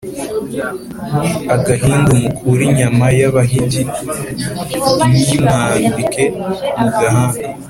ag ahindu mu kure inyama y'abahig i nyimwambtke mu gahanga